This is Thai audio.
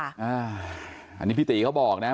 อันนี้พี่ตีเขาบอกนะ